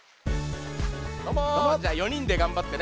どうもじゃあ４にんでがんばってね